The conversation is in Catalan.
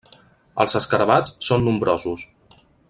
Els escarabats són nombrosos.